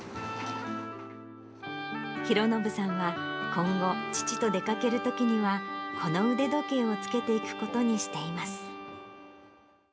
ひろのぶさんは今後、父と出かけるときには、この腕時計を着けていくことにしています。